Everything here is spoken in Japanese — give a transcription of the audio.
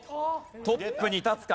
トップに立つか？